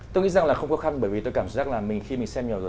tôi nghĩ rằng là không khó khăn bởi vì tôi cảm giác là mình khi mình xem nhỏ rồi